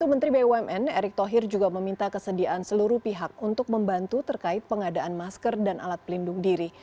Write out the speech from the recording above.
menteri bumn erick thohir juga meminta kesediaan seluruh pihak untuk membantu terkait pengadaan masker dan alat pelindung diri